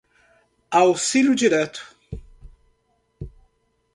auxílio direto